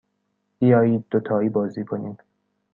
بیایید دوتایی بازی کنیم.